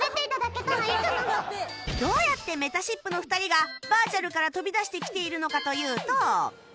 どうやってめたしっぷの２人がバーチャルから飛び出してきているのかというと